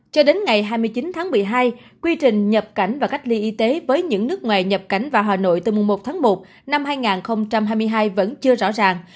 cho đến ngày hai mươi chín tháng một mươi hai quy trình nhập cảnh và cách ly y tế với những nước ngoài nhập cảnh vào hà nội từ mùng một tháng một năm hai nghìn hai mươi hai vẫn chưa rõ ràng